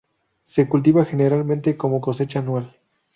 Se cultiva generalmente como cosecha anual.